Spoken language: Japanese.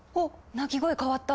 鳴き声変わった。